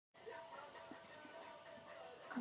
که يې منې ويې منه؛ که نه په کاکښه کې مستې دي.